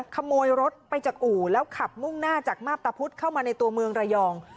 ขโมยรถไปจากอู่แล้วขับมุ่งหน้าจากมาพตะพุธเข้ามาในตัวเมืองระยอง